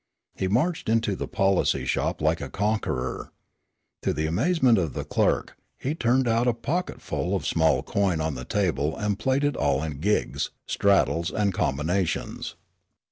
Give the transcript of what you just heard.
He marched into the policy shop like a conqueror. To the amazement of the clerk, he turned out a pocketful of small coin on the table and played it all in "gigs," "straddles and combinations."